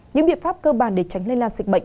những biện pháp cơ bản để tránh lây lan dịch bệnh